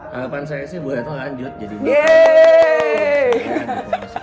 harapan saya sih bu retno lanjut jadi bapak ibu